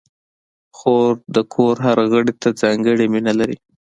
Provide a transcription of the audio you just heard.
خور د کور هر غړي ته ځانګړې مینه لري.